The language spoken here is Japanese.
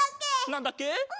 なんだっけ？